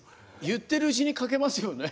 言ってるうちに書けますよね。